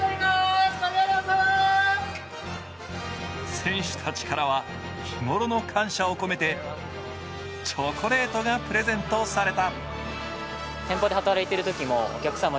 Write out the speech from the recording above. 選手たちからは日頃の感謝を込めてチョコレートがプレゼントされた。